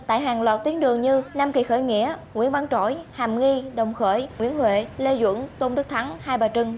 tại hàng loạt tuyến đường như nam kỳ khởi nghĩa nguyễn văn trỗi hàm nghi đồng khởi nguyễn huệ lê duẩn tôn đức thắng hai bà trưng